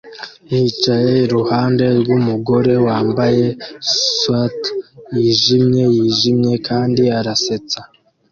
yicaye iruhande rwumugore wambaye swater yijimye yijimye kandi arasetsa